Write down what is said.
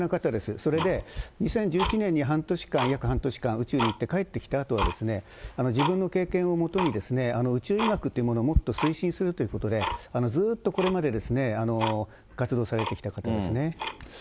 それで、２０１１年に半年間、約半年間、宇宙に行って帰ってきたあとは、自分の経験をもとに、宇宙医学ってものをもっと推進するということで、ずっとこれまで、活動されてきた方ですね。